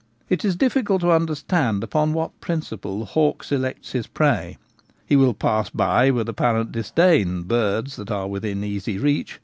It is difficult to understand upon what principle the hawk selects his prey. He will pass by with apparent disdain birds that. are within easy reach.